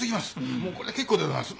もうこれで結構でございます。